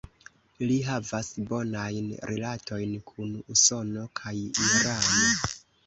Li havas bonajn rilatojn kun Usono kaj Irano.